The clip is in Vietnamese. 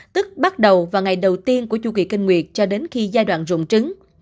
tức bắt đầu vào ngày đầu tiên của chu kỳ kinh nguyệt cho đến khi giai đoạn rụng trứng